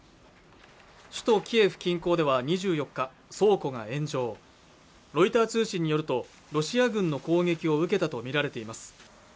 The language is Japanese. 首都キエフ近郊では２４日倉庫が炎上ロイター通信によるとロシア軍の砲撃を受けたと見られています